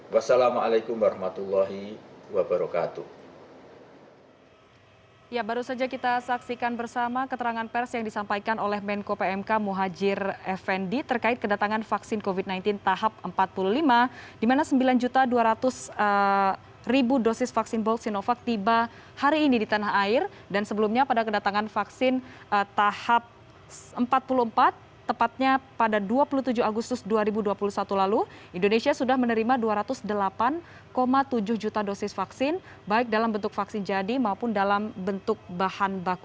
wassalamualaikum warahmatullahi wabarakatuh